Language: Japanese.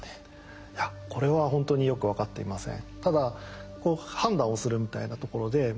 いやこれはほんとによく分かっていません。